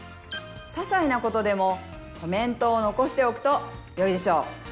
ささいなことでもコメントを残しておくとよいでしょう。